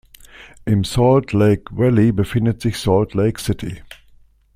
Im Salt Lake Valley befindet sich Salt Lake City.